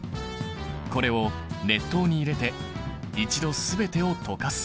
これを熱湯に入れて一度全てを溶かす。